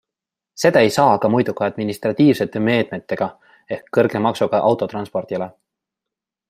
Seda ei saa aga muidu kui administratiivsete meetmetega ehk kõrge maksuga autotranspordile.